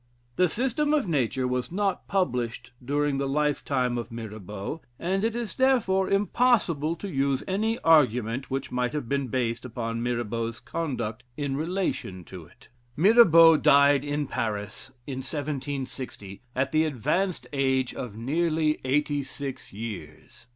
The "System of Nature" was not published during the life time of Mirabaud, and it is therefore impossible to use any argument which might have been based upon Mirabaud's conduct in relation to it. Mirabaud died in Paris in 1760, at the advanced age of nearly eighty six years.